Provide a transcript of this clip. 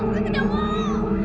aku tidak mau